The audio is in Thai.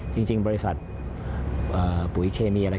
จริงบริษัทปุ๋ยเคมีอะไร